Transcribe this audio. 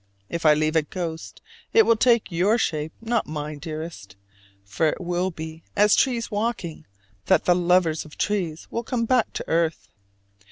If I leave a ghost, it will take your shape, not mine, dearest: for it will be "as trees walking" that the "lovers of trees" will come back to earth.